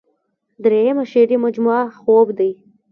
دريمه شعري مجموعه خوب دے ۔